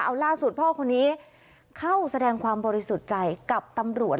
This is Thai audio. เอาล่าสุดพ่อคนนี้เข้าแสดงความบริสุทธิ์ใจกับตำรวจ